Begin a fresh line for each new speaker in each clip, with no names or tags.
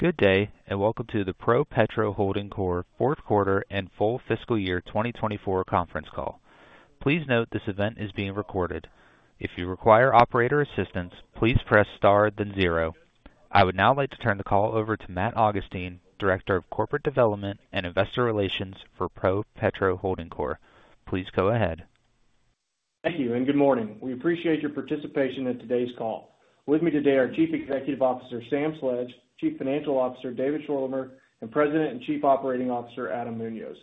Good day, and welcome to the ProPetro Holding Corp. Fourth quarter and Full Fiscal Year 2024 Conference Call. Please note this event is being recorded. If you require operator assistance, please press star, then zero. I would now like to turn the call over to Matt Augustine, Director of Corporate Development and Investor Relations for ProPetro Holding Corp. Please go ahead.
Thank you, and good morning. We appreciate your participation in today's call. With me today are Chief Executive Officer Sam Sledge, Chief Financial Officer David Schorlemer, and President and Chief Operating Officer Adam Muñoz.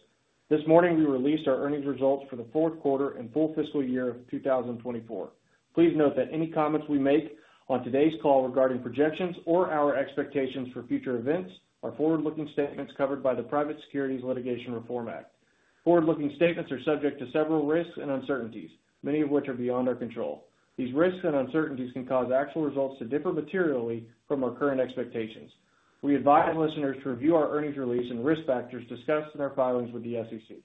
This morning we released our earnings results for the fourth quarter and full fiscal year of 2024. Please note that any comments we make on today's call regarding projections or our expectations for future events are forward-looking statements covered by the Private Securities Litigation Reform Act. Forward-looking statements are subject to several risks and uncertainties, many of which are beyond our control. These risks and uncertainties can cause actual results to differ materially from our current expectations. We advise listeners to review our earnings release and risk factors discussed in our filings with the SEC.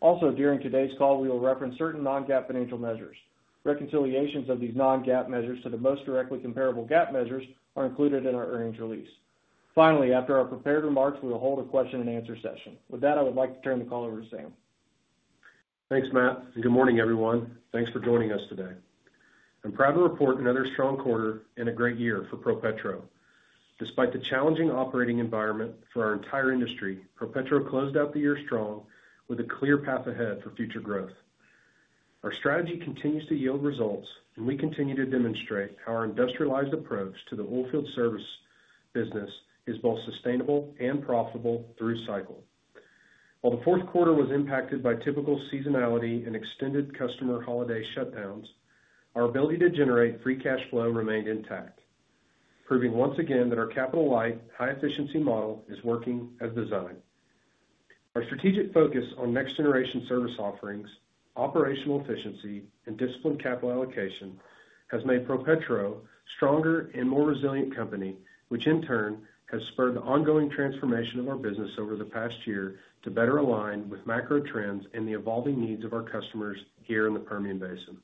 Also, during today's call, we will reference certain non-GAAP financial measures. Reconciliations of these non-GAAP measures to the most directly comparable GAAP measures are included in our earnings release. Finally, after our prepared remarks, we will hold a question and answer session. With that, I would like to turn the call over to Sam.
Thanks, Matt. Good morning, everyone. Thanks for joining us today. I'm proud to report another strong quarter and a great year for ProPetro. Despite the challenging operating environment for our entire industry, ProPetro closed out the year strong with a clear path ahead for future growth. Our strategy continues to yield results, and we continue to demonstrate how our industrialized approach to the oilfield service business is both sustainable and profitable through cycle. While the fourth quarter was impacted by typical seasonality and extended customer holiday shutdowns, our ability to generate free cash flow remained intact, proving once again that our capital-light, high-efficiency model is working as designed. Our strategic focus on next-generation service offerings, operational efficiency, and disciplined capital allocation has made ProPetro a stronger and more resilient company, which in turn has spurred the ongoing transformation of our business over the past year to better align with macro trends and the evolving needs of our customers here in the Permian Basin.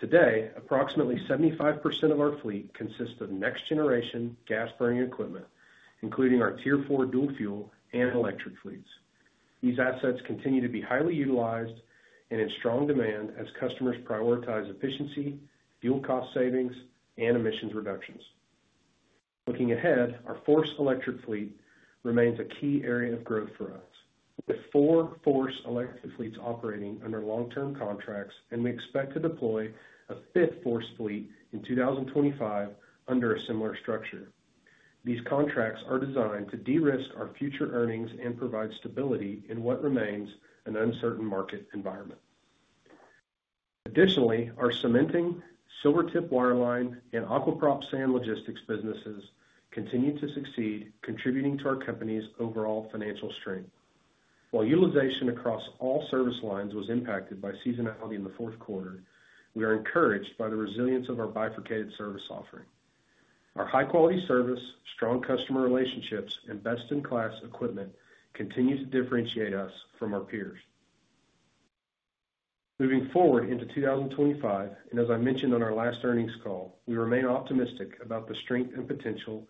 Today, approximately 75% of our fleet consists of next-generation gas-burning equipment, including our Tier 4 dual-fuel and electric fleets. These assets continue to be highly utilized and in strong demand as customers prioritize efficiency, fuel cost savings, and emissions reductions. Looking ahead, our FORCE electric fleet remains a key area of growth for us, with four FORCE electric fleets operating under long-term contracts, and we expect to deploy a fifth FORCE fleet in 2025 under a similar structure. These contracts are designed to de-risk our future earnings and provide stability in what remains an uncertain market environment. Additionally, our cementing, Silvertip wireline, and Aqua Prop Sand Logistics businesses continue to succeed, contributing to our company's overall financial strength. While utilization across all service lines was impacted by seasonality in the fourth quarter, we are encouraged by the resilience of our bifurcated service offering. Our high-quality service, strong customer relationships, and best-in-class equipment continue to differentiate us from our peers. Moving forward into 2025, and as I mentioned on our last earnings call, we remain optimistic about the strength and potential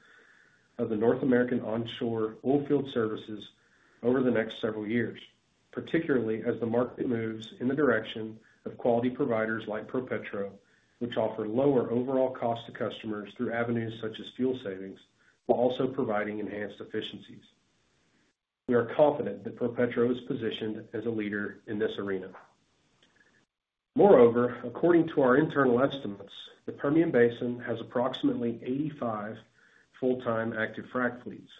of the North American onshore oilfield services over the next several years, particularly as the market moves in the direction of quality providers like ProPetro, which offer lower overall cost to customers through avenues such as fuel savings while also providing enhanced efficiencies. We are confident that ProPetro is positioned as a leader in this arena. Moreover, according to our internal estimates, the Permian Basin has approximately 85 full-time active frac fleets.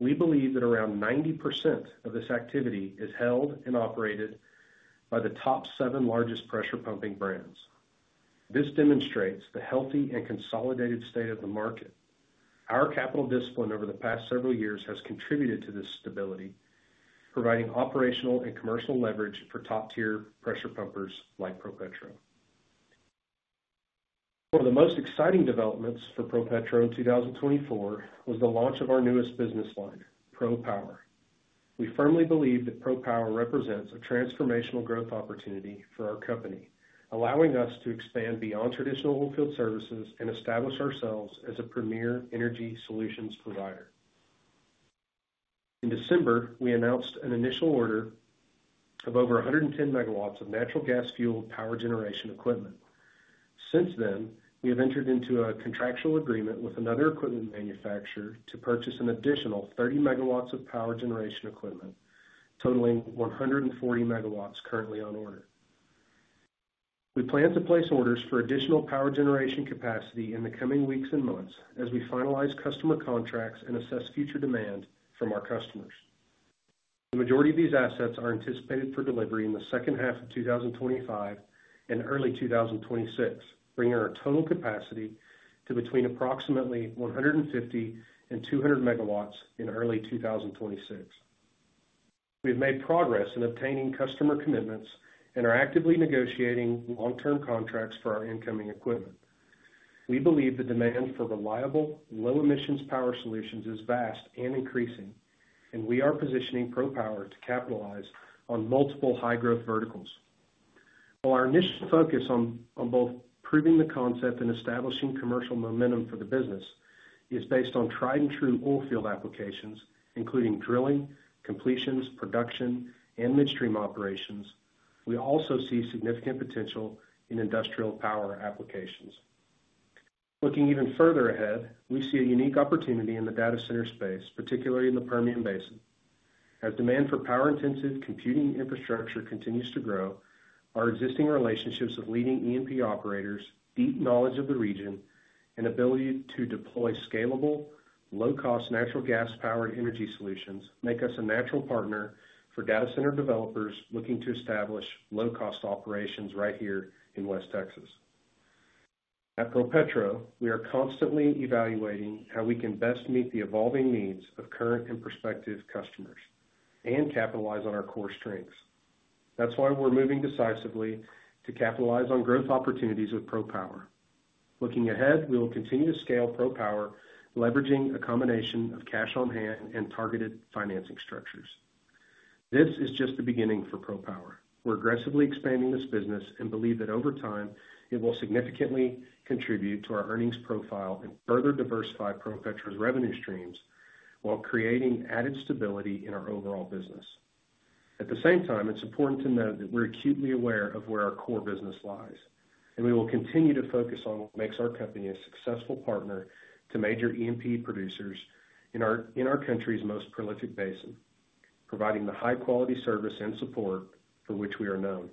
We believe that around 90% of this activity is held and operated by the top seven largest pressure pumping brands. This demonstrates the healthy and consolidated state of the market. Our capital discipline over the past several years has contributed to this stability, providing operational and commercial leverage for top-tier pressure pumpers like ProPetro. One of the most exciting developments for ProPetro in 2024 was the launch of our newest business line, ProPower. We firmly believe that ProPower represents a transformational growth opportunity for our company, allowing us to expand beyond traditional oilfield services and establish ourselves as a premier energy solutions provider. In December, we announced an initial order of over 110 MW of natural gas-fueled power generation equipment. Since then, we have entered into a contractual agreement with another equipment manufacturer to purchase an additional 30 MW of power generation equipment, totaling 140 MW currently on order. We plan to place orders for additional power generation capacity in the coming weeks and months as we finalize customer contracts and assess future demand from our customers. The majority of these assets are anticipated for delivery in the second half of 2025 and early 2026, bringing our total capacity to between approximately 150 MW and 200 MW in early 2026. We have made progress in obtaining customer commitments and are actively negotiating long-term contracts for our incoming equipment. We believe the demand for reliable, low-emissions power solutions is vast and increasing, and we are positioning ProPower to capitalize on multiple high-growth verticals. While our initial focus on both proving the concept and establishing commercial momentum for the business is based on tried-and-true oilfield applications, including drilling, completions, production, and midstream operations, we also see significant potential in industrial power applications. Looking even further ahead, we see a unique opportunity in the data center space, particularly in the Permian Basin. As demand for power-intensive computing infrastructure continues to grow, our existing relationships with leading E&P operators, deep knowledge of the region, and ability to deploy scalable, low-cost natural gas-powered energy solutions make us a natural partner for data center developers looking to establish low-cost operations right here in West Texas. At ProPetro, we are constantly evaluating how we can best meet the evolving needs of current and prospective customers and capitalize on our core strengths. That's why we're moving decisively to capitalize on growth opportunities with ProPower.Looking ahead, we will continue to scale ProPower, leveraging a combination of cash on hand and targeted financing structures. This is just the beginning for ProPower. We're aggressively expanding this business and believe that over time it will significantly contribute to our earnings profile and further diversify ProPetro's revenue streams while creating added stability in our overall business. At the same time, it's important to note that we're acutely aware of where our core business lies, and we will continue to focus on what makes our company a successful partner to major E&P producers in our country's most prolific basin, providing the high-quality service and support for which we are known.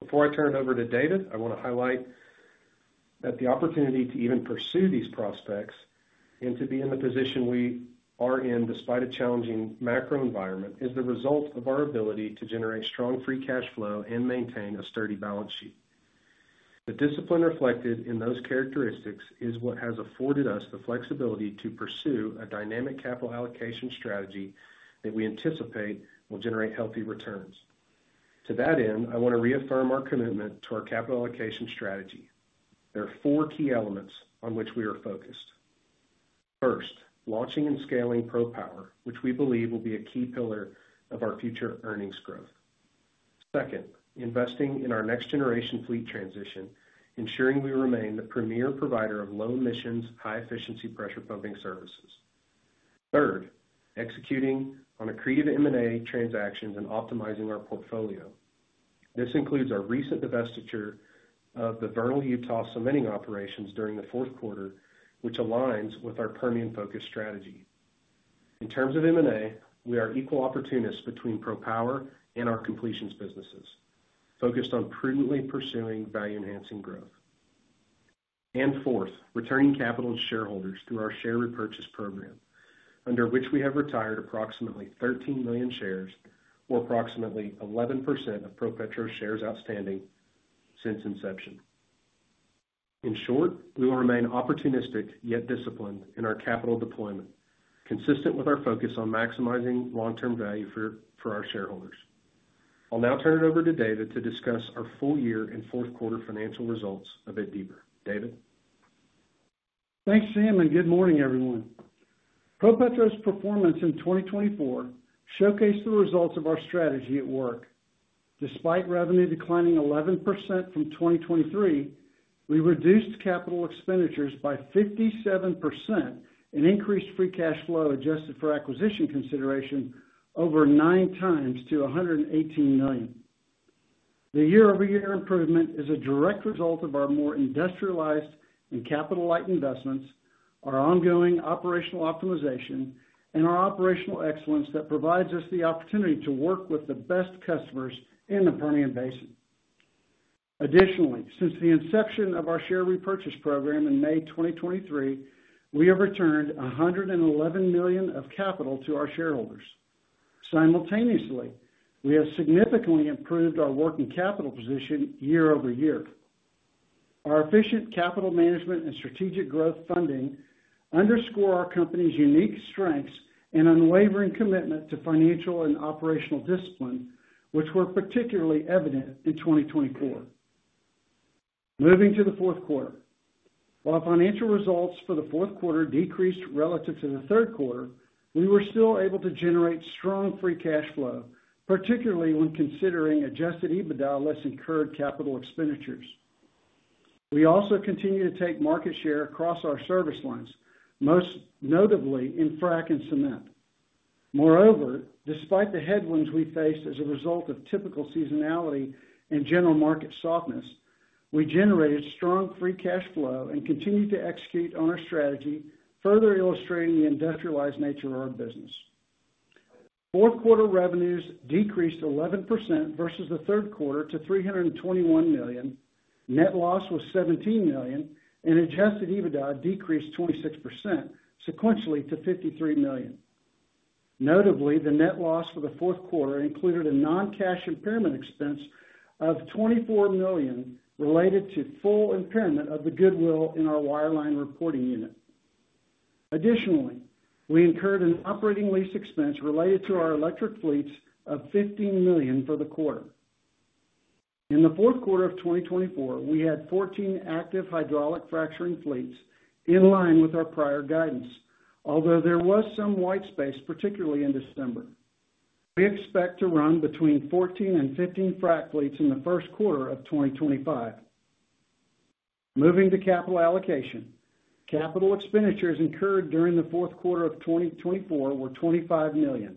Before I turn it over to David, I want to highlight that the opportunity to even pursue these prospects and to be in the position we are in despite a challenging macro environment is the result of our ability to generate strong free cash flow and maintain a sturdy balance sheet. The discipline reflected in those characteristics is what has afforded us the flexibility to pursue a dynamic capital allocation strategy that we anticipate will generate healthy returns. To that end, I want to reaffirm our commitment to our capital allocation strategy. There are four key elements on which we are focused. First, launching and scaling ProPower, which we believe will be a key pillar of our future earnings growth. Second, investing in our next-generation fleet transition, ensuring we remain the premier provider of low-emissions, high-efficiency pressure pumping services. Third, executing on accretive M&A transactions and optimizing our portfolio. This includes our recent divestiture of the Vernal, Utah cementing operations during the fourth quarter, which aligns with our Permian-focused strategy. In terms of M&A, we are equal opportunists between ProPower and our completions businesses, focused on prudently pursuing value-enhancing growth. And fourth, returning capital to shareholders through our share repurchase program, under which we have retired approximately 13 million shares, or approximately 11% of ProPetro's shares outstanding since inception. In short, we will remain opportunistic yet disciplined in our capital deployment, consistent with our focus on maximizing long-term value for our shareholders. I'll now turn it over to David to discuss our full year and fourth quarter financial results a bit deeper. David.
Thanks, Sam, and good morning, everyone. ProPetro's performance in 2024 showcased the results of our strategy at work. Despite revenue declining 11% from 2023, we reduced capital expenditures by 57% and increased free cash flow adjusted for acquisition consideration over nine times to $118 million. The year-over-year improvement is a direct result of our more industrialized and capital-light investments, our ongoing operational optimization, and our operational excellence that provides us the opportunity to work with the best customers in the Permian Basin. Additionally, since the inception of our share repurchase program in May 2023, we have returned $111 million of capital to our shareholders. Simultaneously, we have significantly improved our working capital position year over year. Our efficient capital management and strategic growth funding underscore our company's unique strengths and unwavering commitment to financial and operational discipline, which were particularly evident in 2024. Moving to the fourth quarter. While financial results for the fourth quarter decreased relative to the third quarter, we were still able to generate strong free cash flow, particularly when considering Adjusted EBITDA less incurred capital expenditures. We also continue to take market share across our service lines, most notably in frac and cement. Moreover, despite the headwinds we faced as a result of typical seasonality and general market softness, we generated strong free cash flow and continued to execute on our strategy, further illustrating the industrialized nature of our business. Fourth quarter revenues decreased 11% versus the third quarter to $321 million. Net loss was $17 million, and Adjusted EBITDA decreased 26%, sequentially to $53 million. Notably, the net loss for the fourth quarter included a non-cash impairment expense of $24 million related to full impairment of the goodwill in our wireline reporting unit. Additionally, we incurred an operating lease expense related to our electric fleets of $15 million for the quarter. In the fourth quarter of 2024, we had 14 active hydraulic fracturing fleets in line with our prior guidance, although there was some white space, particularly in December. We expect to run between 14 and 15 frac fleets in the first quarter of 2025. Moving to capital allocation. Capital expenditures incurred during the fourth quarter of 2024 were $25 million.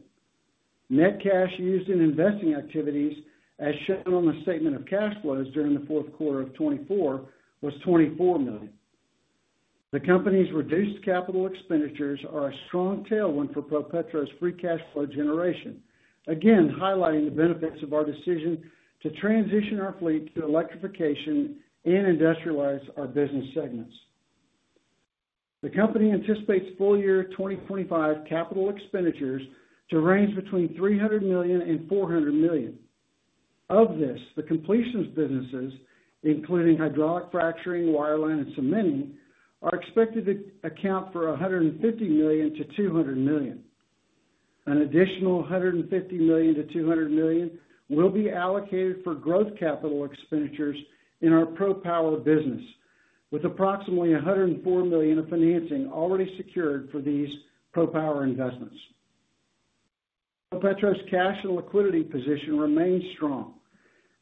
Net cash used in investing activities, as shown on the statement of cash flows during the fourth quarter of 2024, was $24 million. The company's reduced capital expenditures are a strong tailwind for ProPetro's free cash flow generation, again highlighting the benefits of our decision to transition our fleet to electrification and industrialize our business segments. The company anticipates full year 2025 capital expenditures to range between $300 million and $400 million. Of this, the completions businesses, including hydraulic fracturing, wireline, and cementing, are expected to account for $150 million-$200 million. An additional $150 million-$200 million will be allocated for growth capital expenditures in our ProPower business, with approximately $104 million of financing already secured for these ProPower investments. ProPetro's cash and liquidity position remains strong.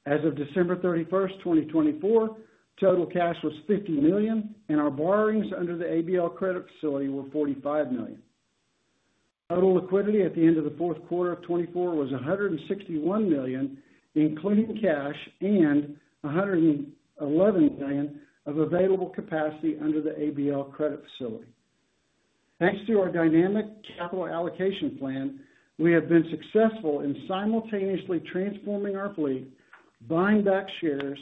As of December 31st, 2024, total cash was $50 million, and our borrowings under the ABL credit facility were $45 million. Total liquidity at the end of the fourth quarter of 2024 was $161 million, including cash, and $111 million of available capacity under the ABL credit facility. Thanks to our dynamic capital allocation plan, we have been successful in simultaneously transforming our fleet, buying back shares,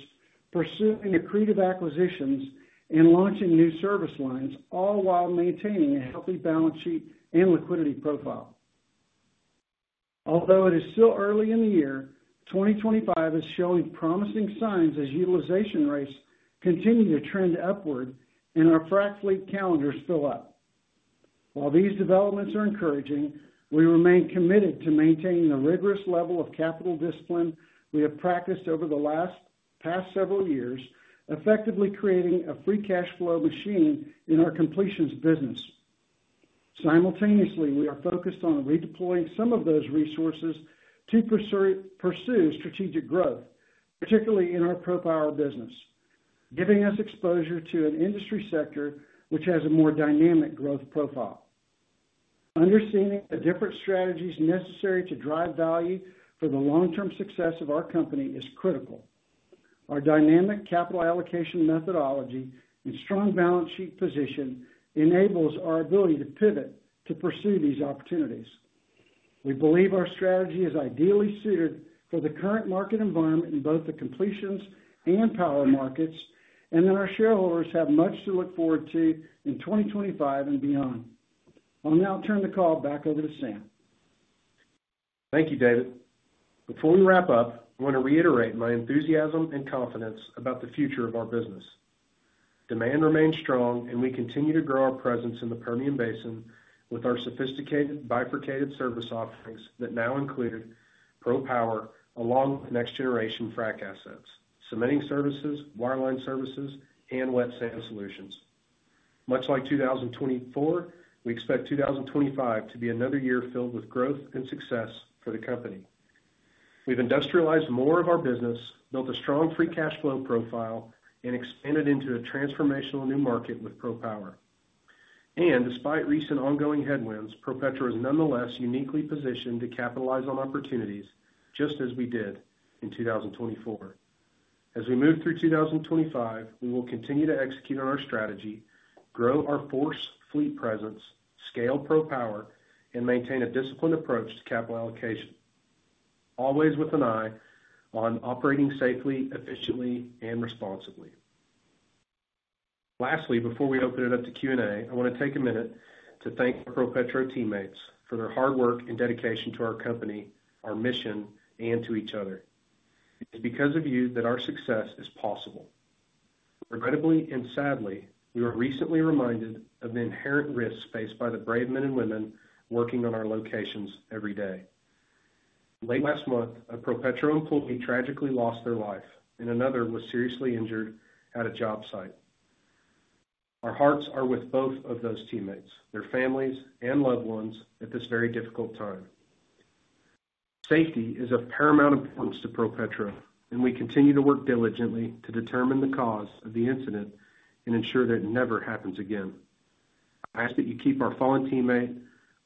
pursuing accretive acquisitions, and launching new service lines, all while maintaining a healthy balance sheet and liquidity profile. Although it is still early in the year, 2025 is showing promising signs as utilization rates continue to trend upward and our frac fleet calendars fill up. While these developments are encouraging, we remain committed to maintaining the rigorous level of capital discipline we have practiced over the past several years, effectively creating a free cash flow machine in our completions business. Simultaneously, we are focused on redeploying some of those resources to pursue strategic growth, particularly in our ProPower business, giving us exposure to an industry sector which has a more dynamic growth profile. Understanding the different strategies necessary to drive value for the long-term success of our company is critical. Our dynamic capital allocation methodology and strong balance sheet position enables our ability to pivot to pursue these opportunities. We believe our strategy is ideally suited for the current market environment in both the completions and power markets, and that our shareholders have much to look forward to in 2025 and beyond. I'll now turn the call back over to Sam.
Thank you, David. Before we wrap up, I want to reiterate my enthusiasm and confidence about the future of our business. Demand remains strong, and we continue to grow our presence in the Permian Basin with our sophisticated bifurcated service offerings that now include ProPower along with next-generation frac assets, cementing services, wireline services, and wet sand solutions. Much like 2024, we expect 2025 to be another year filled with growth and success for the company. We've industrialized more of our business, built a strong free cash flow profile, and expanded into a transformational new market with ProPower. And despite recent ongoing headwinds, ProPetro is nonetheless uniquely positioned to capitalize on opportunities just as we did in 2024.As we move through 2025, we will continue to execute on our strategy, grow our FORCE fleet presence, scale ProPower, and maintain a disciplined approach to capital allocation, always with an eye on operating safely, efficiently, and responsibly. Lastly, before we open it up to Q&A, I want to take a minute to thank our ProPetro teammates for their hard work and dedication to our company, our mission, and to each other. It's because of you that our success is possible. Regrettably and sadly, we were recently reminded of the inherent risks faced by the brave men and women working on our locations every day. Late last month, a ProPetro employee tragically lost their life, and another was seriously injured at a job site. Our hearts are with both of those teammates, their families and loved ones at this very difficult time. Safety is of paramount importance to ProPetro, and we continue to work diligently to determine the cause of the incident and ensure that it never happens again. I ask that you keep our fallen teammate,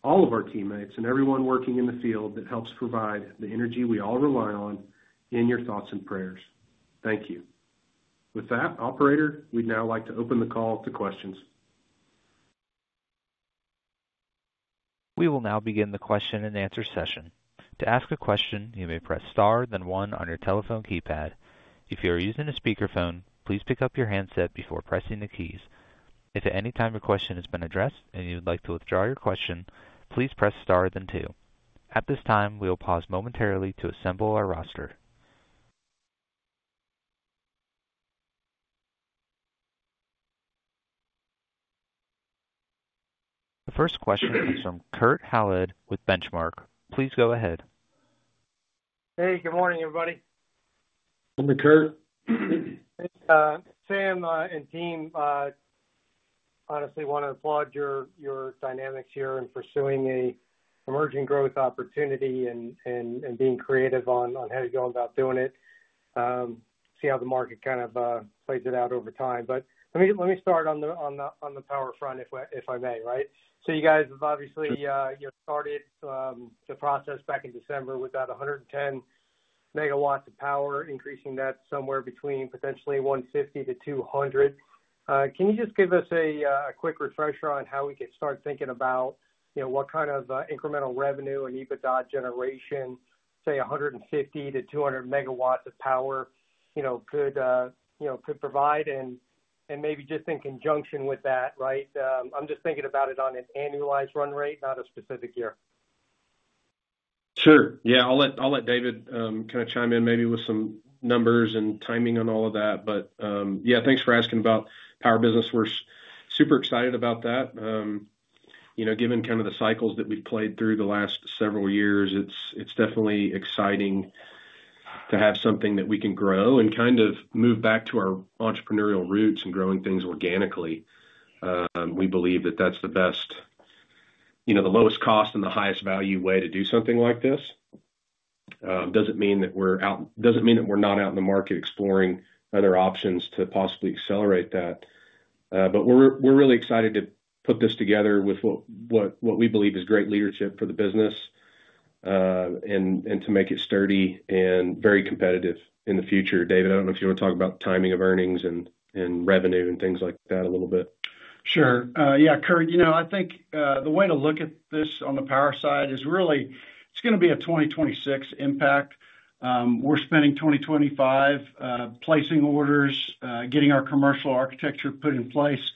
all of our teammates, and everyone working in the field that helps provide the energy we all rely on in your thoughts and prayers. Thank you. With that, Operator, we'd now like to open the call to questions.
We will now begin the question and answer session. To ask a question, you may press star, then one on your telephone keypad. If you are using a speakerphone, please pick up your handset before pressing the keys. If at any time your question has been addressed and you'd like to withdraw your question, please press star, then two. At this time, we will pause momentarily to assemble our roster. The first question is from Kurt Hallead with Benchmark. Please go ahead.
Hey, good morning, everybody.
Good morning, kurt.
Sam and team, honestly, want to applaud your dynamics here in pursuing the emerging growth opportunity and being creative on how to go about doing it, see how the market kind of plays it out over time. But let me start on the power front, if I may, right? So you guys have obviously started the process back in December with about 110 MW of power, increasing that somewhere between potentially 150 MW-200 MW. Can you just give us a quick refresher on how we could start thinking about what kind of incremental revenue and EBITDA generation, say, 150 MW-200 MW of power could provide? And maybe just in conjunction with that, right? I'm just thinking about it on an annualized run rate, not a specific year.
Sure. Yeah. I'll let David kind of chime in maybe with some numbers and timing on all of that. But yeah, thanks for asking about power business. We're super excited about that. Given kind of the cycles that we've played through the last several years, it's definitely exciting to have something that we can grow and kind of move back to our entrepreneurial roots and growing things organically. We believe that that's the best, the lowest cost and the highest value way to do something like this. Doesn't mean that we're out. It doesn't mean that we're not out in the market exploring other options to possibly accelerate that. But we're really excited to put this together with what we believe is great leadership for the business and to make it sturdy and very competitive in the future. David, I don't know if you want to talk about timing of earnings and revenue and things like that a little bit.
Sure. Yeah, Curt, I think the way to look at this on the power side is really it's going to be a 2026 impact. We're spending 2025 placing orders, getting our commercial architecture put in place,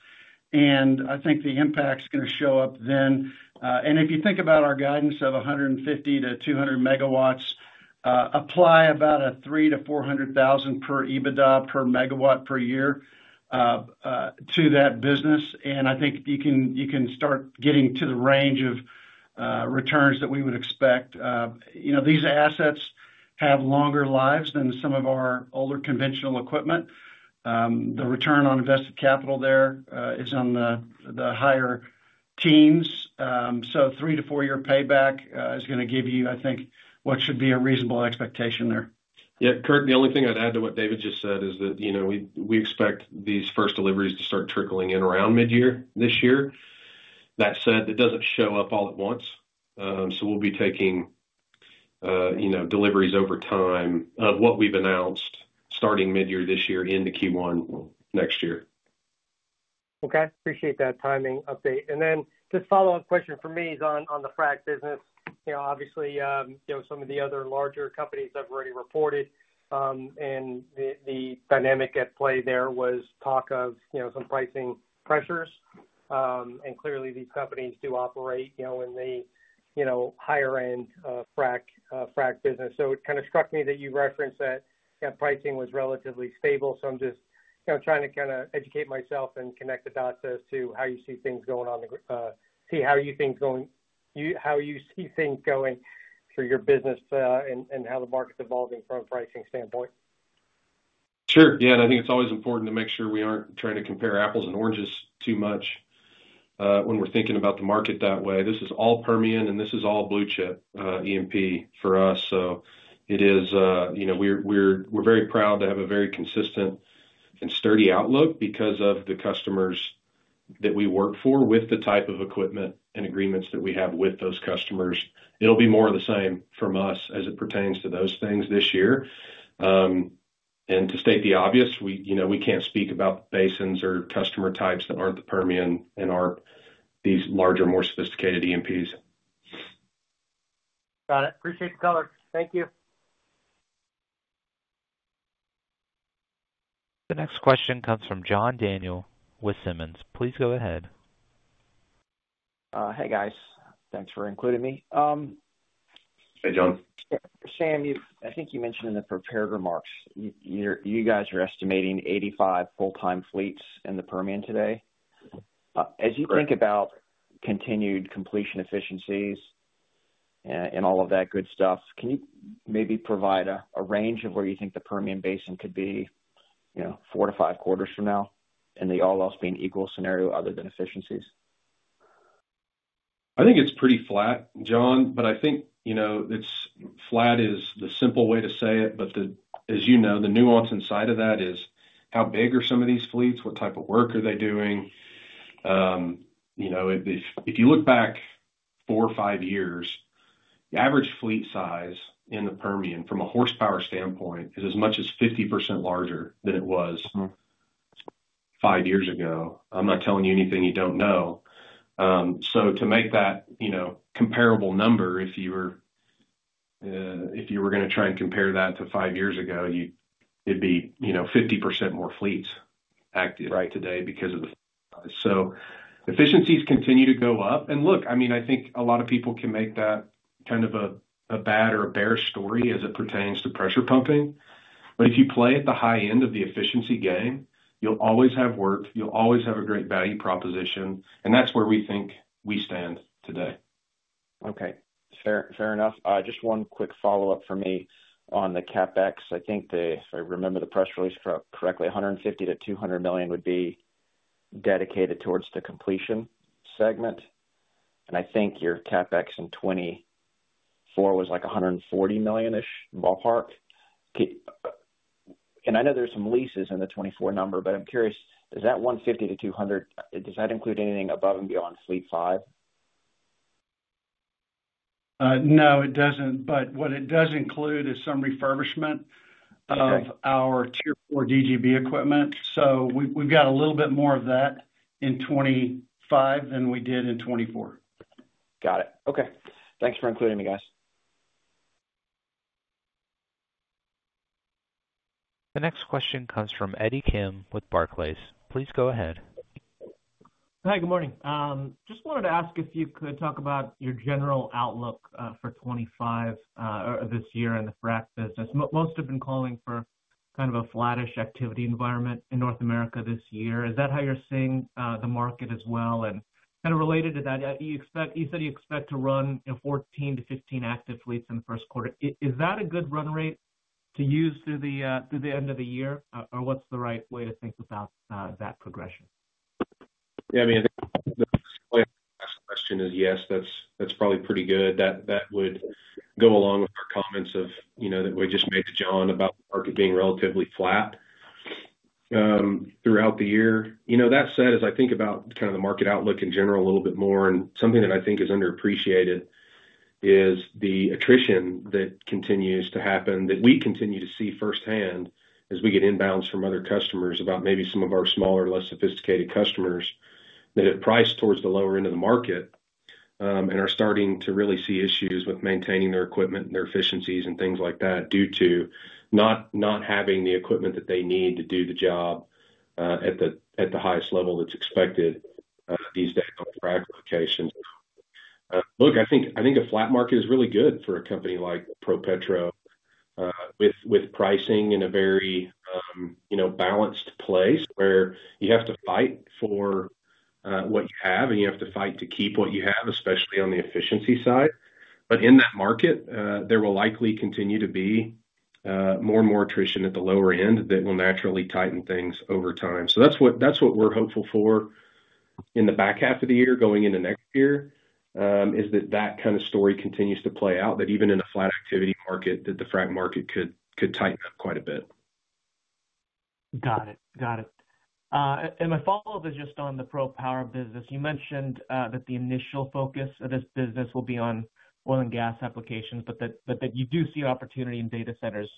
and I think the impact's going to show up then, and if you think about our guidance of 150 MW-200 MW, apply about a $300,000-$400,000 per EBITDA per megawatt per year to that business, and I think you can start getting to the range of returns that we would expect. These assets have longer lives than some of our older conventional equipment. The return on invested capital there is on the higher teens, so 3-4 year payback is going to give you, I think, what should be a reasonable expectation there.
Yeah. Curt, the only thing I'd add to what David just said is that we expect these first deliveries to start trickling in around mid-year this year. That said, it doesn't show up all at once. So we'll be taking deliveries over time of what we've announced starting mid-year this year into Q1 next year.
Okay. Appreciate that timing update. And then this follow-up question for me is on the frac business. Obviously, some of the other larger companies have already reported, and the dynamic at play there was talk of some pricing pressures. And clearly, these companies do operate in the higher-end frac business. So it kind of struck me that you referenced that pricing was relatively stable. So I'm just trying to kind of educate myself and connect the dots as to how you see things going on, see how you think going, how you see things going for your business and how the market's evolving from a pricing standpoint.
Sure. Yeah. And I think it's always important to make sure we aren't trying to compare apples and oranges too much when we're thinking about the market that way. This is all Permian, and this is all blue chip EMP for us. So it is we're very proud to have a very consistent and sturdy outlook because of the customers that we work for with the type of equipment and agreements that we have with those customers. It'll be more of the same from us as it pertains to those things this year. And to state the obvious, we can't speak about the basins or customer types that aren't the Permian and aren't these larger, more sophisticated EMPs.
Got it. Appreciate the color. Thank you.
The next question comes from John Daniel with Simmons. Please go ahead.
Hey, guys. Thanks for including me.
Hey, John.
Sam, I think you mentioned in the prepared remarks, you guys are estimating 85 full-time fleets in the Permian Basin today. As you think about continued completion efficiencies and all of that good stuff, can you maybe provide a range of where you think the Permian Basin could be four to five quarters from now and the all else being equal scenario other than efficiencies?
I think it's pretty flat, John, but I think it's flat is the simple way to say it. But as you know, the nuance inside of that is how big are some of these fleets? What type of work are they doing? If you look back four or five years, the average fleet size in the Permian from a horsepower standpoint is as much as 50% larger than it was five years ago. I'm not telling you anything you don't know. So to make that comparable number, if you were going to try and compare that to five years ago, it'd be 50% more fleets active today because of the size. So efficiencies continue to go up. And look, I mean, I think a lot of people can make that kind of a bad or a bear story as it pertains to pressure pumping. But if you play at the high end of the efficiency game, you'll always have work. You'll always have a great value proposition. And that's where we think we stand today.
Okay. Fair enough. Just one quick follow-up for me on the CapEx. I think if I remember the press release correctly, $150 million-$200 million would be dedicated towards the completion segment. And I think your CapEx in 2024 was like $140 million-ish ballpark. And I know there's some leases in the 2024 number, but I'm curious, does that $150 million-$200 million, does that include anything above and beyond fleet five?
No, it doesn't. But what it does include is some refurbishment of our Tier 4 DGB equipment. So we've got a little bit more of that in 2025 than we did in 2024.
Got it. Okay. Thanks for including me, guys.
The next question comes from Eddie Kim with Barclays. Please go ahead.
Hi, good morning. Just wanted to ask if you could talk about your general outlook for 2025 or this year in the frac business. Most have been calling for kind of a flattish activity environment in North America this year. Is that how you're seeing the market as well? And kind of related to that, you said you expect to run 14-15 active fleets in the first quarter. Is that a good run rate to use through the end of the year, or what's the right way to think about that progression?
Yeah. I mean, the next question is yes, that's probably pretty good. That would go along with our comments that we just made to John about the market being relatively flat throughout the year. That said, as I think about kind of the market outlook in general a little bit more, and something that I think is underappreciated is the attrition that continues to happen, that we continue to see firsthand as we get inbounds from other customers about maybe some of our smaller, less sophisticated customers that have priced towards the lower end of the market and are starting to really see issues with maintaining their equipment and their efficiencies and things like that due to not having the equipment that they need to do the job at the highest level that's expected these days on frac locations. Look, I think a flat market is really good for a company like ProPetro with pricing in a very balanced place where you have to fight for what you have, and you have to fight to keep what you have, especially on the efficiency side. But in that market, there will likely continue to be more and more attrition at the lower end that will naturally tighten things over time. So that's what we're hopeful for in the back half of the year going into next year is that that kind of story continues to play out, that even in a flat activity market, that the frac market could tighten up quite a bit.
Got it. Got it, and my follow-up is just on the ProPower business. You mentioned that the initial focus of this business will be on oil and gas applications, but that you do see opportunity in data centers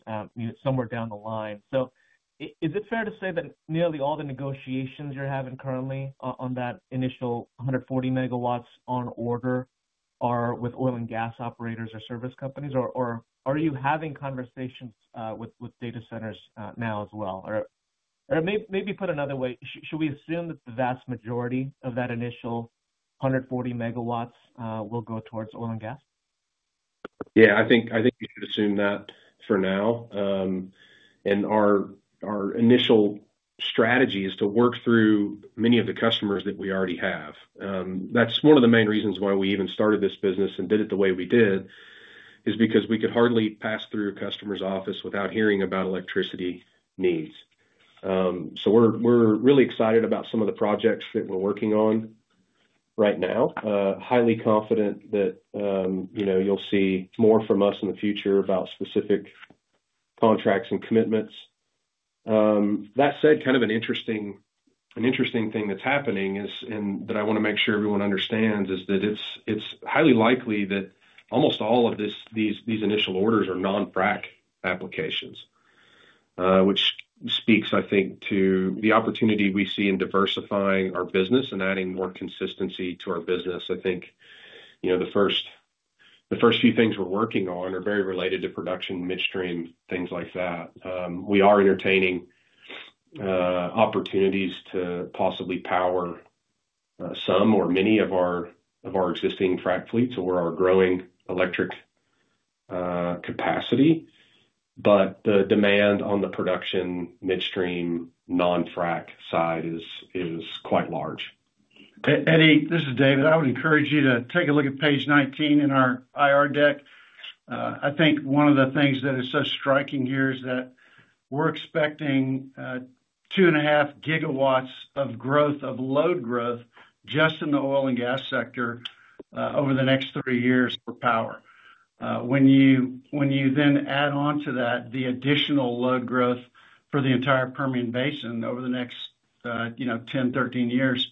somewhere down the line, so is it fair to say that nearly all the negotiations you're having currently on that initial 140 MW on order are with oil and gas operators or service companies, or are you having conversations with data centers now as well, or maybe put another way, should we assume that the vast majority of that initial 140 MW will go towards oil and gas?
Yeah. I think you should assume that for now. And our initial strategy is to work through many of the customers that we already have. That's one of the main reasons why we even started this business and did it the way we did is because we could hardly pass through a customer's office without hearing about electricity needs. So we're really excited about some of the projects that we're working on right now, highly confident that you'll see more from us in the future about specific contracts and commitments. That said, kind of an interesting thing that's happening is, and that I want to make sure everyone understands, is that it's highly likely that almost all of these initial orders are non-frac applications, which speaks, I think, to the opportunity we see in diversifying our business and adding more consistency to our business. I think the first few things we're working on are very related to production, midstream, things like that. We are entertaining opportunities to possibly power some or many of our existing frac fleets or our growing electric capacity. But the demand on the production midstream non-frac side is quite large.
Eddie, this is David. I would encourage you to take a look at page 19 in our IR deck. I think one of the things that is so striking here is that we're expecting two and a half gigawatts of growth of load growth just in the oil and gas sector over the next three years for power. When you then add on to that the additional load growth for the entire Permian Basin over the next 10, 13 years,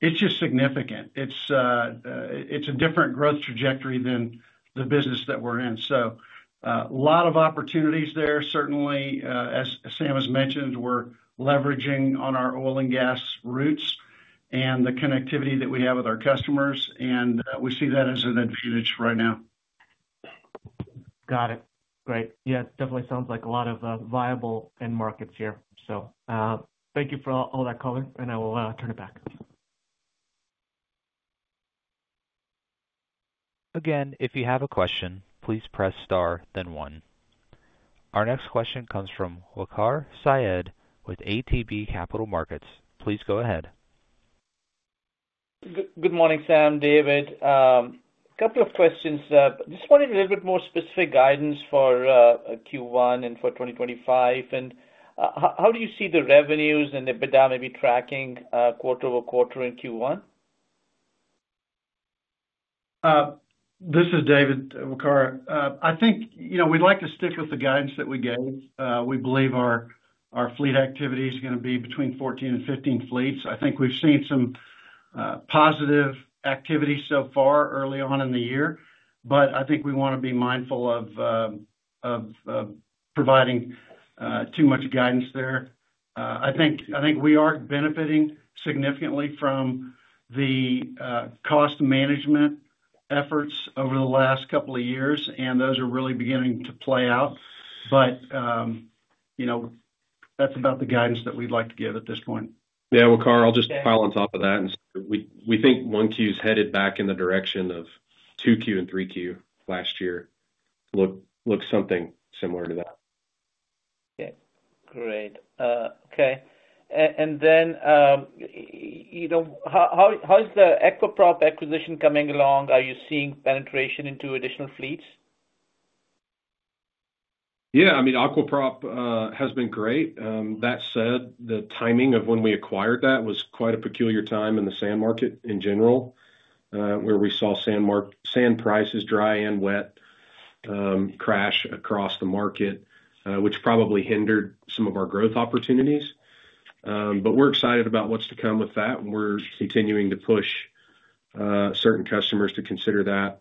it's just significant. It's a different growth trajectory than the business that we're in. So a lot of opportunities there, certainly. As Sam has mentioned, we're leveraging on our oil and gas roots and the connectivity that we have with our customers. We see that as an advantage right now.
Got it. Great. Yeah. It definitely sounds like a lot of viable end markets here. So thank you for all that color, and I will turn it back.
Again, if you have a question, please press star, then one. Our next question comes from Waqar Syed with ATB Capital Markets. Please go ahead.
Good morning, Sam. David, a couple of questions. Just wanted a little bit more specific guidance for Q1 and for 2025, and how do you see the revenues and EBITDA maybe tracking quarter over quarter in Q1?
This is David Schorlemer. I think we'd like to stick with the guidance that we gave. We believe our fleet activity is going to be between 14 and 15 fleets. I think we've seen some positive activity so far early on in the year. But I think we want to be mindful of providing too much guidance there. I think we are benefiting significantly from the cost management efforts over the last couple of years, and those are really beginning to play out. But that's about the guidance that we'd like to give at this point.
Yeah. Waqar, I'll just pile on top of that. We think 1Q is headed back in the direction of 2Q and 3Q last year. Looks something similar to that. Okay. Great. Okay. And then how is the Aqua Prop acquisition coming along? Are you seeing penetration into additional fleets? Yeah. I mean, Aqua Prop has been great. That said, the timing of when we acquired that was quite a peculiar time in the sand market in general, where we saw sand prices dry and wet crash across the market, which probably hindered some of our growth opportunities. But we're excited about what's to come with that. We're continuing to push certain customers to consider that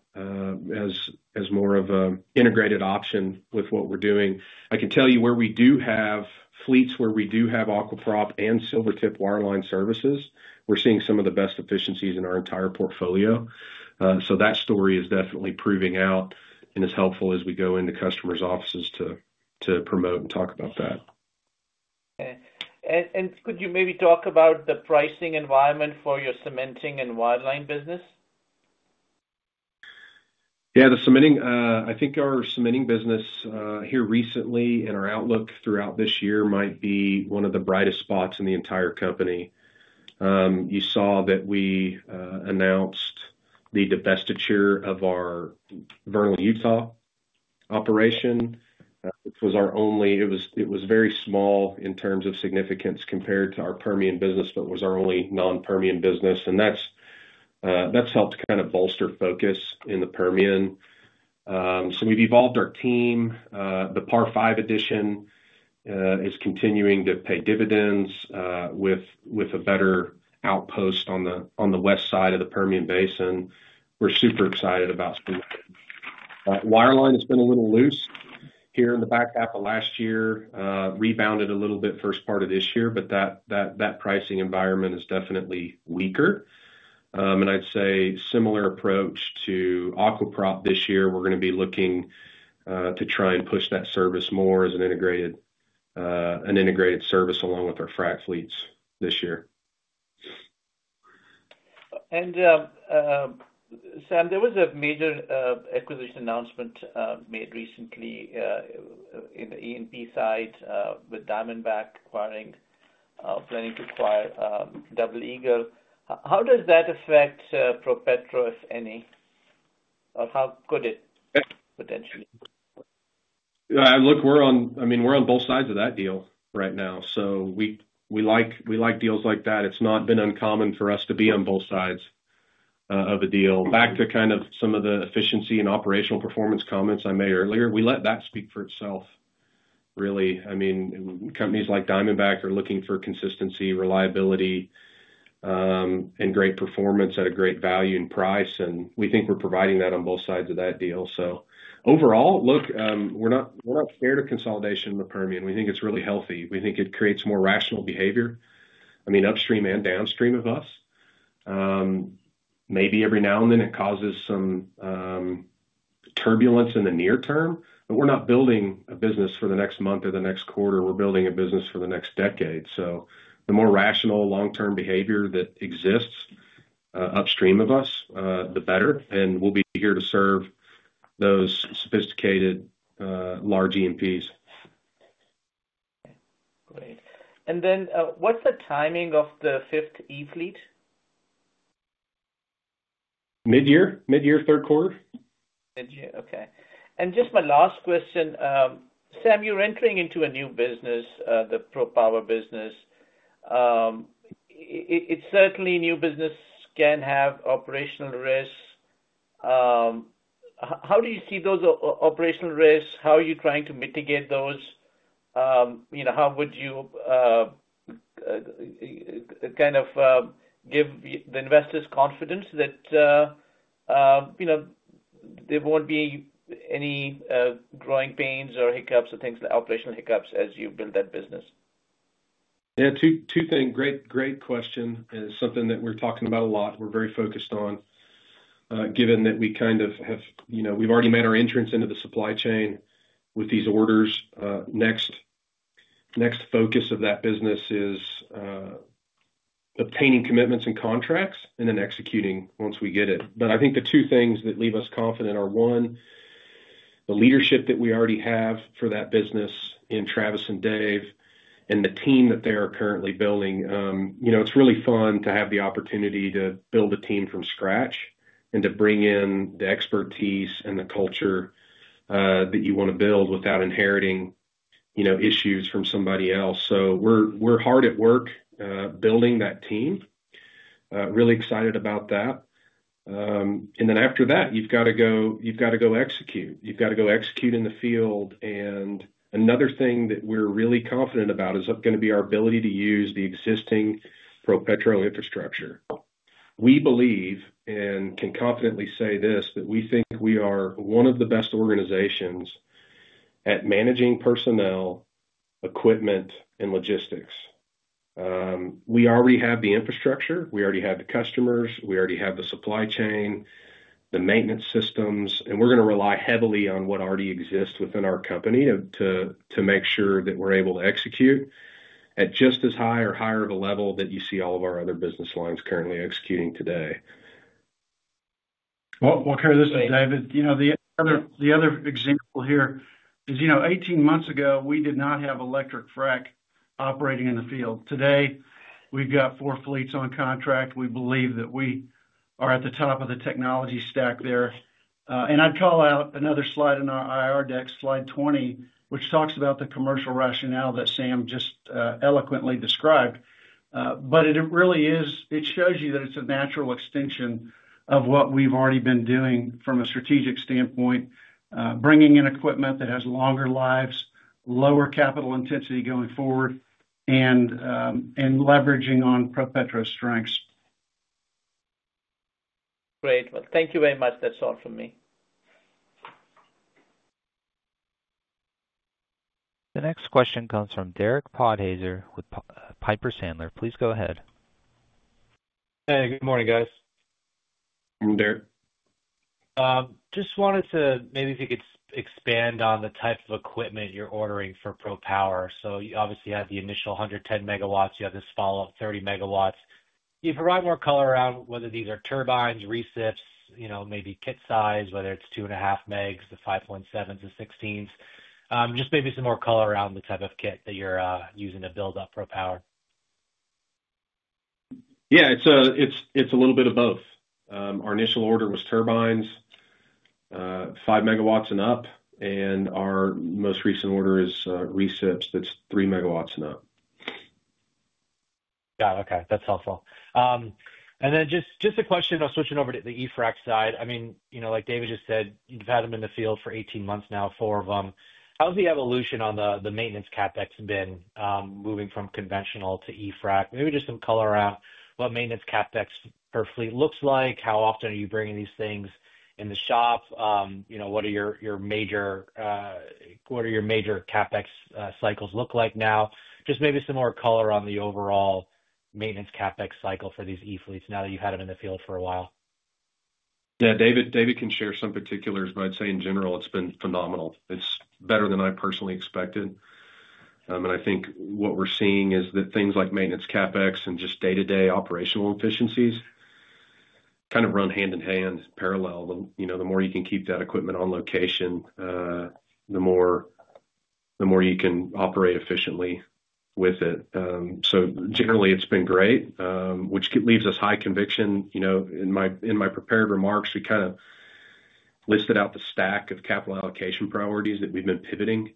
as more of an integrated option with what we're doing. I can tell you where we do have fleets where we do have Aqua Prop and Silvertip Wireline services. We're seeing some of the best efficiencies in our entire portfolio. So that story is definitely proving out and is helpful as we go into customers' offices to promote and talk about that. Okay. And could you maybe talk about the pricing environment for your cementing and wireline business? Yeah. I think our cementing business here recently and our outlook throughout this year might be one of the brightest spots in the entire company. You saw that we announced the divestiture of our Vernal, Utah operation, which was our only. It was very small in terms of significance compared to our Permian business, but it was our only non-Permian business. And that's helped kind of bolster focus in the Permian. So we've evolved our team. The Par Five addition is continuing to pay dividends with a better outpost on the west side of the Permian Basin. We're super excited about. Wireline has been a little loose here in the back half of last year, rebounded a little bit first part of this year, but that pricing environment is definitely weaker. And I'd say similar approach to Aqua Prop this year. We're going to be looking to try and push that service more as an integrated service along with our frac fleets this year. And Sam, there was a major acquisition announcement made recently in the E&P side with Diamondback planning to acquire Double Eagle. How does that affect ProPetro, if any? Or how could it potentially? Yeah. Look, I mean, we're on both sides of that deal right now. So we like deals like that. It's not been uncommon for us to be on both sides of a deal. Back to kind of some of the efficiency and operational performance comments I made earlier, we let that speak for itself, really. I mean, companies like Diamondback are looking for consistency, reliability, and great performance at a great value and price. And we think we're providing that on both sides of that deal. So overall, look, we're not scared of consolidation in the Permian. We think it's really healthy. We think it creates more rational behavior, I mean, upstream and downstream of us. Maybe every now and then it causes some turbulence in the near term, but we're not building a business for the next month or the next quarter. We're building a business for the next decade. So the more rational long-term behavior that exists upstream of us, the better. And we'll be here to serve those sophisticated large E&Ps. Okay. Great. And then what's the timing of the fifth e-fleet? Mid-year. Mid-year, third quarter. Mid-year. Okay. And just my last question. Sam, you're entering into a new business, the ProPower business. It's certainly new business can have operational risks. How do you see those operational risks? How are you trying to mitigate those? How would you kind of give the investors confidence that there won't be any growing pains or hiccups or things like operational hiccups as you build that business?
Yeah. Two things. Great question. It's something that we're talking about a lot. We're very focused on, given that we kind of have. We've already made our entrance into the supply chain with these orders. Next focus of that business is obtaining commitments and contracts and then executing once we get it. But I think the two things that leave us confident are, one, the leadership that we already have for that business in Travis and Dave and the team that they are currently building. It's really fun to have the opportunity to build a team from scratch and to bring in the expertise and the culture that you want to build without inheriting issues from somebody else. So we're hard at work building that team. Really excited about that. And then after that, you've got to go execute. You've got to go execute in the field. And another thing that we're really confident about is going to be our ability to use the existing ProPetro infrastructure. We believe and can confidently say this: that we think we are one of the best organizations at managing personnel, equipment, and logistics. We already have the infrastructure. We already have the customers. We already have the supply chain, the maintenance systems. And we're going to rely heavily on what already exists within our company to make sure that we're able to execute at just as high or higher of a level that you see all of our other business lines currently executing today.
Waqar, this is David. The other example here is 18 months ago, we did not have electric frac operating in the field. Today, we've got four fleets on contract. We believe that we are at the top of the technology stack there. And I'd call out another slide in our IR deck, slide 20, which talks about the commercial rationale that Sam just eloquently described. But it really shows you that it's a natural extension of what we've already been doing from a strategic standpoint, bringing in equipment that has longer lives, lower capital intensity going forward, and leveraging on ProPetro's strengths.
Great. Well, thank you very much. That's all from me.
The next question comes from Derek Podhaizer with Piper Sandler. Please go ahead.
Hey. Good morning, guys. Morning, Derek. Just wanted to maybe if you could expand on the type of equipment you're ordering for ProPower. So you obviously have the initial 110 megawatts. You have this follow-up 30 MW. Can you provide more color around whether these are turbines, recips, maybe kit size, whether it's two and a half megs, the 5.7s, the 16s? Just maybe some more color around the type of kit that you're using to build up ProPower. Yeah. It's a little bit of both. Our initial order was turbines, 5 megawatts and up, and our most recent order is recips. That's 3 MW and up. Got it. Okay. That's helpful. And then just a question. I'll switch it over to the e-frac side. I mean, like David just said, you've had them in the field for 18 months now, four of them. How has the evolution on the maintenance CapEx been moving from conventional to e-frac? Maybe just some color around what maintenance CapEx per fleet looks like. How often are you bringing these things in the shop? What are your major CapEx cycles look like now? Just maybe some more color on the overall maintenance CapEx cycle for these E fleets now that you've had them in the field for a while. Yeah. David can share some particulars. But I'd say in general, it's been phenomenal. It's better than I personally expected. And I think what we're seeing is that things like maintenance CapEx and just day-to-day operational efficiencies kind of run hand in hand, parallel. The more you can keep that equipment on location, the more you can operate efficiently with it. So generally, it's been great, which leaves us high conviction. In my prepared remarks, we kind of listed out the stack of capital allocation priorities that we've been pivoting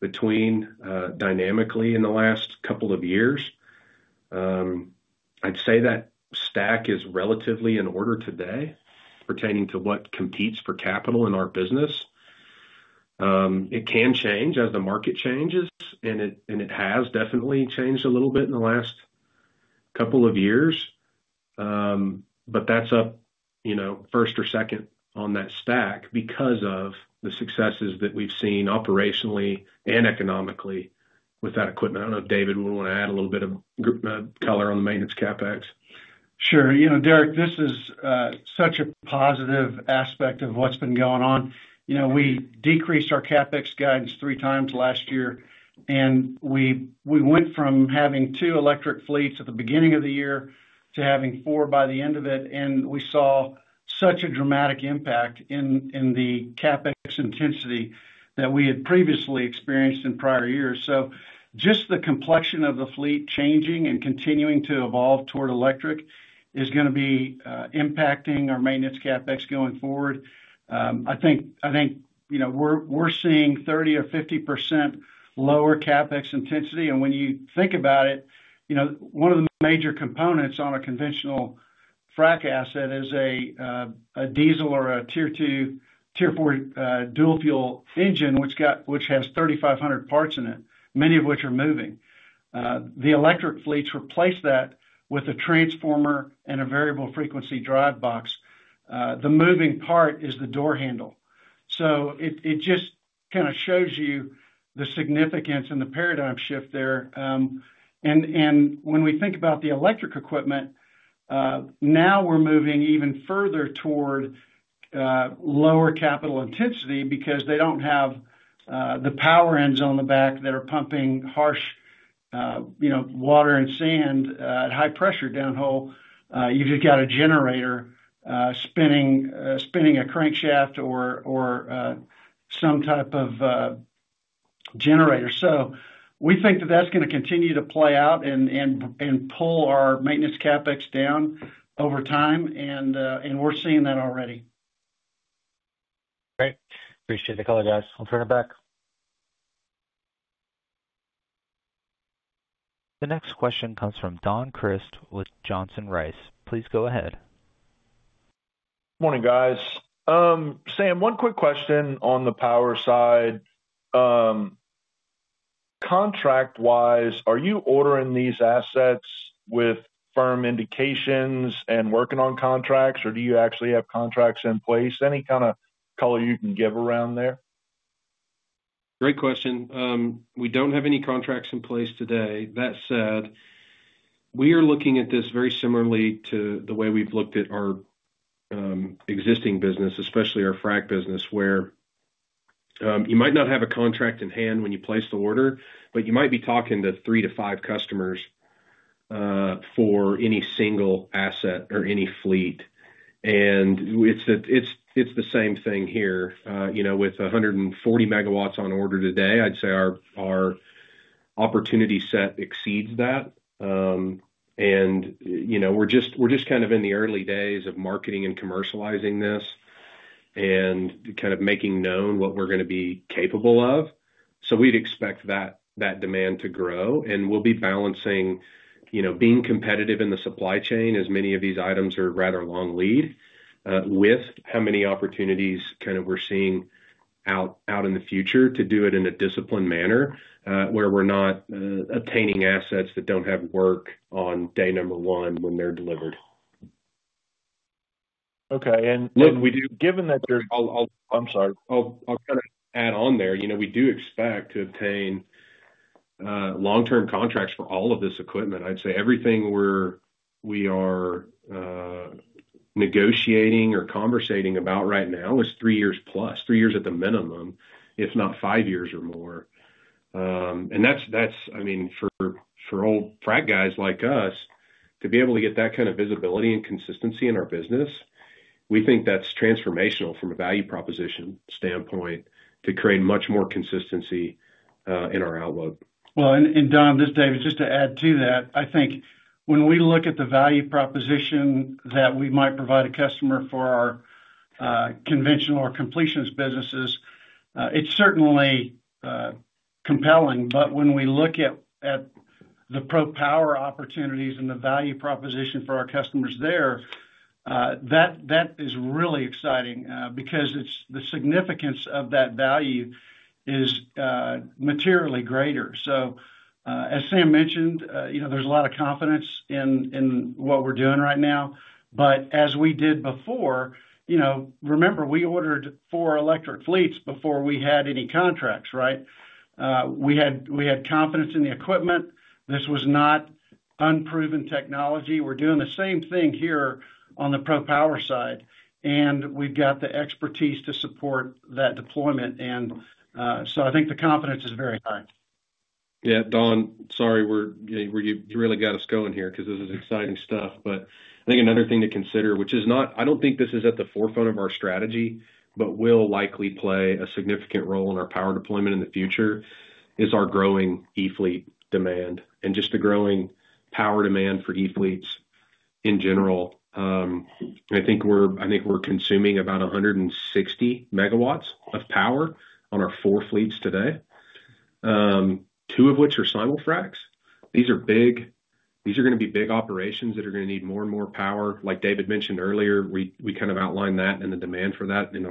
between dynamically in the last couple of years. I'd say that stack is relatively in order today pertaining to what competes for capital in our business. It can change as the market changes. And it has definitely changed a little bit in the last couple of years. But that's up first or second on that stack because of the successes that we've seen operationally and economically with that equipment. I don't know if David would want to add a little bit of color on the maintenance CapEx.
Sure. Derek, this is such a positive aspect of what's been going on. We decreased our CapEx guidance three times last year, and we went from having two electric fleets at the beginning of the year to having four by the end of it, and we saw such a dramatic impact in the CapEx intensity that we had previously experienced in prior years, so just the complexion of the fleet changing and continuing to evolve toward electric is going to be impacting our maintenance CapEx going forward, I think we're seeing 30% or 50% lower CapEx intensity, and when you think about it, one of the major components on a conventional frac asset is a diesel or a Tier 2, Tier 4 dual-fuel engine, which has 3,500 parts in it, many of which are moving. The electric fleets replace that with a transformer and a variable frequency drive box. The moving part is the door handle. So it just kind of shows you the significance and the paradigm shift there. And when we think about the electric equipment, now we're moving even further toward lower capital intensity because they don't have the power ends on the back that are pumping harsh water and sand at high pressure downhole. You've just got a generator spinning a crankshaft or some type of generator. So we think that that's going to continue to play out and pull our maintenance CapEx down over time. And we're seeing that already.
Great. Appreciate the call, guys. I'll turn it back.
The next question comes from Don Crist with Johnson Rice. Please go ahead.
Morning, guys. Sam, one quick question on the power side. Contract-wise, are you ordering these assets with firm indications and working on contracts, or do you actually have contracts in place? Any kind of color you can give around there?
Great question. We don't have any contracts in place today. That said, we are looking at this very similarly to the way we've looked at our existing business, especially our frac business, where you might not have a contract in hand when you place the order, but you might be talking to 3-5 customers for any single asset or any fleet. And it's the same thing here. With 140 MW on order today, I'd say our opportunity set exceeds that. And we're just kind of in the early days of marketing and commercializing this and kind of making known what we're going to be capable of. So we'd expect that demand to grow. And we'll be balancing being competitive in the supply chain as many of these items are rather long lead with how many opportunities kind of we're seeing out in the future to do it in a disciplined manner where we're not obtaining assets that don't have work on day number one when they're delivered.
Okay.
And given that there's.
I'm sorry.
I'll kind of add on there. We do expect to obtain long-term contracts for all of this equipment. I'd say everything we are negotiating or conversating about right now is three years plus, three years at the minimum, if not five years or more. And that's, I mean, for old frac guys like us, to be able to get that kind of visibility and consistency in our business, we think that's transformational from a value proposition standpoint to create much more consistency in our outlook.
And Don, just David, just to add to that, I think when we look at the value proposition that we might provide a customer for our conventional or completions businesses, it's certainly compelling. But when we look at the ProPower opportunities and the value proposition for our customers there, that is really exciting because the significance of that value is materially greater. As Sam mentioned, there's a lot of confidence in what we're doing right now. But as we did before, remember, we ordered four electric fleets before we had any contracts, right? We had confidence in the equipment. This was not unproven technology. We're doing the same thing here on the ProPower side. And we've got the expertise to support that deployment. And so I think the confidence is very high.
Yeah. Don, sorry. You really got us going here because this is exciting stuff, but I think another thing to consider, which is not, I don't think this is at the forefront of our strategy, but will likely play a significant role in our power deployment in the future, is our growing E fleet demand and just the growing power demand for E fleets in general. I think we're consuming about 160 MW of power on our four fleets today, two of which are Simul-Fracs. These are going to be big operations that are going to need more and more power.
Like David mentioned earlier, we kind of outlined that and the demand for that in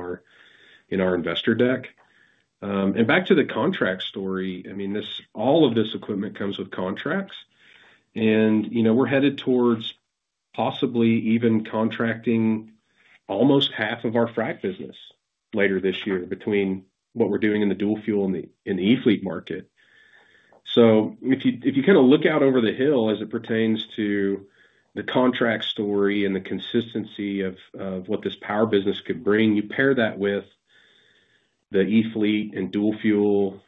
our investor deck, and back to the contract story, I mean, all of this equipment comes with contracts. And we're headed towards possibly even contracting almost half of our frac business later this year between what we're doing in the dual-fuel and the E fleet market.
So if you kind of look out over the hill as it pertains to the contract story and the consistency of what this power business could bring, you pair that with the E fleet and dual-fuel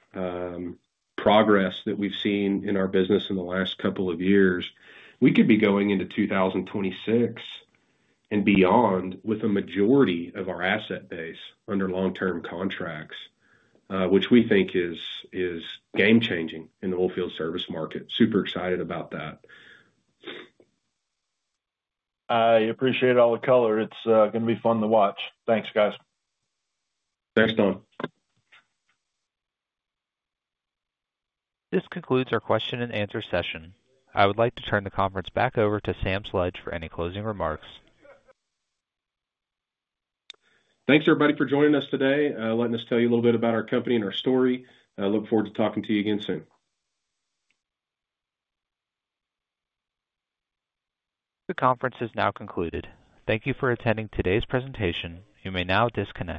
progress that we've seen in our business in the last couple of years, we could be going into 2026 and beyond with a majority of our asset base under long-term contracts, which we think is game-changing in the whole field service market. Super excited about that.
I appreciate all the color. It's going to be fun to watch. Thanks, guys.
Thanks, Don.
This concludes our question-and-answer session. I would like to turn the conference back over to Sam Sledge for any closing remarks.
Thanks, everybody, for joining us today, letting us tell you a little bit about our company and our story. I look forward to talking to you again soon.
The conference is now concluded. Thank you for attending today's presentation. You may now disconnect.